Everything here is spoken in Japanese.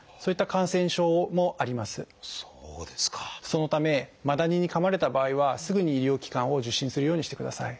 そのためマダニにかまれた場合はすぐに医療機関を受診するようにしてください。